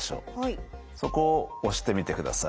そこを押してみてください。